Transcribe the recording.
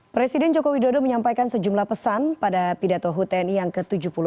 presiden joko widodo menyampaikan sejumlah pesan pada pidato hutni yang ke tujuh puluh empat